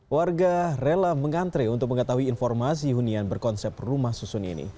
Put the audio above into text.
warga rela mengantre untuk mengetahui informasi hunian berkonsep rumah susun ini